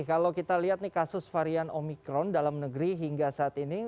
kalau kita lihat nih kasus varian omikron dalam negeri hingga saat ini